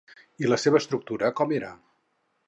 I la seva estructura com era?